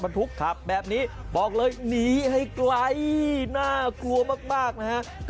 วิทยาลัยศาสตร์อัศวิทยาลัยศาสตร์